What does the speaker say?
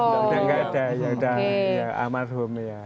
udah enggak ada yaudah amat hum ya